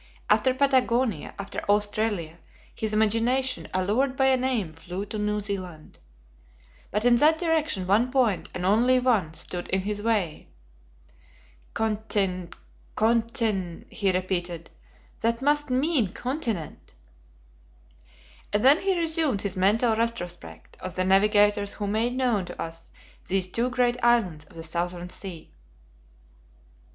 After Patagonia, after Australia, his imagination, allured by a name, flew to New Zealand. But in that direction, one point, and only one, stood in his way. "Contin contin," he repeated, "that must mean continent!" And then he resumed his mental retrospect of the navigators who made known to us these two great islands of the Southern Sea.